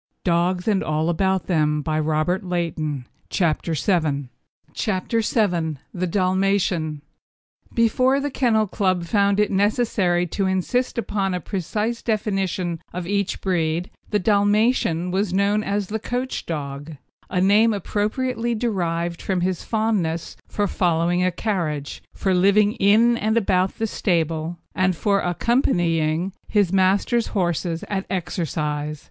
VIOLA OF REDGRAVE Photograph by Coe, Norwich] CHAPTER VII THE DALMATIAN Before the Kennel Club found it necessary to insist upon a precise definition of each breed, the Dalmatian was known as the Coach Dog, a name appropriately derived from his fondness for following a carriage, for living in and about the stable, and for accompanying his master's horses at exercise.